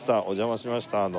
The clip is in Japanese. お邪魔しました。